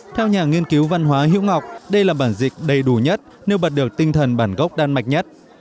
theo nhà nghiên cứu văn hóa hữu ngọc đây là bản dịch đầy đủ nhất nêu bật được tinh thần bản gốc đan mạch nhất